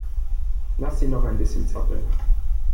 Lass sie noch ein bisschen zappeln.